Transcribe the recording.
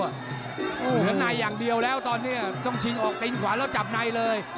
เหลือในอย่างเดียวแล้วตอนนี้ต้องชิงออกตีนขวาแล้วจับในเลย